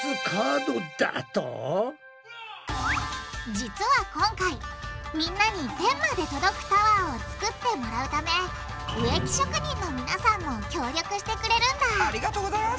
実は今回みんなに天まで届くタワーを作ってもらうため植木職人のみなさんも協力してくれるんだありがとうございます！